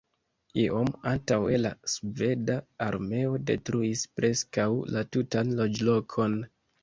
Iom antaŭe la sveda armeo detruis preskaŭ la tutan loĝlokon.